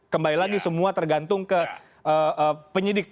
kembali lagi semua tergantung ke penyidik